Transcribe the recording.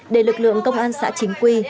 để lực lượng công an xã chính quy